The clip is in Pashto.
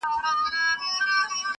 د حق د لېونیو نندارې ته ځي وګري٫